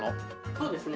そうですね。